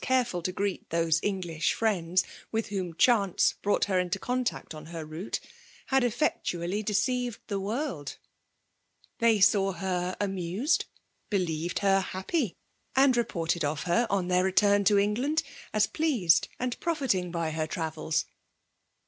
caiefid to g^reet those English friends with idiom chance brought h^ into contact on her route, had effectually deceived the world; — they saw her amused, — ^beUeved her happy, — 8S2 PEMAtB DOHlHATtOK. and reported of her, on their return to Sng ^ land^ as pleased and profitmg by her travels.